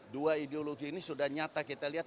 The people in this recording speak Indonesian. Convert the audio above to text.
dua ideologi ini sudah nyata kita lihat